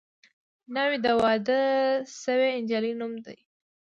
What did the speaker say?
ناوې د واده شوې نجلۍ نوم دی